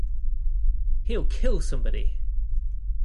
He’ll kill somebody!